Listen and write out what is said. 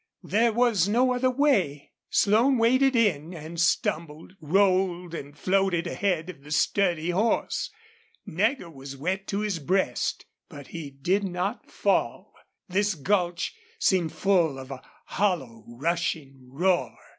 There was no other way. Slone waded in, and stumbled, rolled, and floated ahead of the sturdy horse. Nagger was wet to his breast, but he did not fall. This gulch seemed full of a hollow rushing roar.